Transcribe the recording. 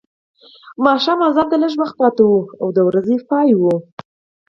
ماښام اذان ته لږ وخت پاتې و د ورځې پای و.